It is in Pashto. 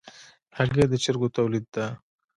هګۍ د چرګو تولید ده.